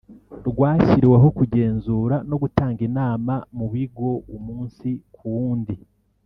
rwashyiriweho kugenzura no gutanga inama mu bigo umunsi ku wundi